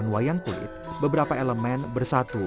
jadi kita bisa menggabungkan semua elemen bersatu